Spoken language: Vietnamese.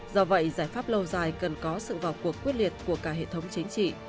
do vậy giải pháp lâu dài cần có sự vào cuộc quyết liệt của cả hệ thống chính trị